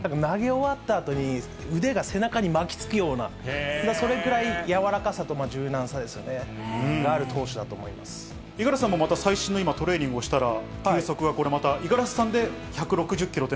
投げ終わったあとに、腕が背中に巻きつくような、それくらい柔らかさと柔軟さですよね、が、五十嵐さんもまた、今、最新のトレーニングをしたら球速がこれまた五十嵐さんで１６０キ